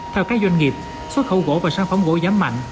theo các doanh nghiệp xuất khẩu gỗ và sản phẩm gỗ giảm mạnh